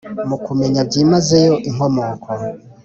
mu kumenya byimazeyo inkomoko